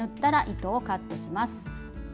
糸をカットします。